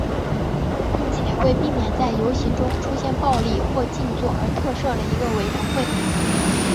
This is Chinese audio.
并且为避免在游行中出现暴力或静坐而特设了一个委员会。